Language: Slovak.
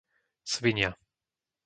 Svinia